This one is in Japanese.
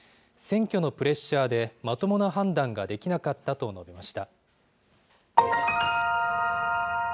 選挙のプレッシャーでまともな判断ができなかったと述べました。